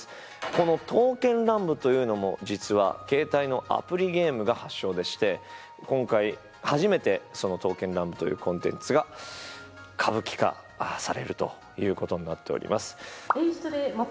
この「刀剣乱舞」というのも実は携帯のアプリゲームが発祥でして今回初めて「刀剣乱舞」というコンテンツが歌舞伎化されるということになっております。